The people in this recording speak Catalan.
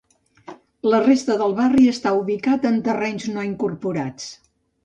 La resta del barri està ubicat en terrenys no incorporats.